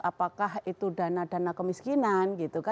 apakah itu dana dana kemiskinan